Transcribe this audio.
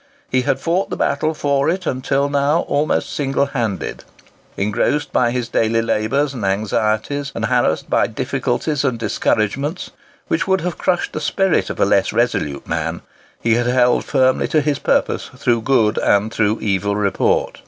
He had fought the battle for it until now almost single handed. Engrossed by his daily labours and anxieties, and harassed by difficulties and discouragements which would have crushed the spirit of a less resolute man, he had held firmly to his purpose through good and through evil report.